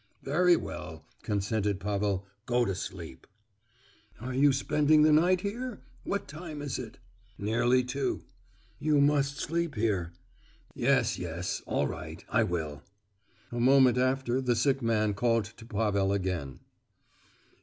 "Very well," consented Pavel, "go to sleep." "Are you spending the night here? What time is it?" "Nearly two." "You must sleep here." "Yes, yes—all right. I will." A moment after the sick man called to Pavel again.